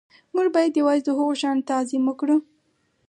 موږ باید یوازې د هغو شیانو تعظیم وکړو